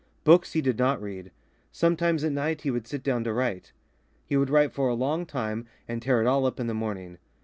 Books he did not read. Sometimes at nights he would sit down to write. He would write for a long time and tear it all up in the morning.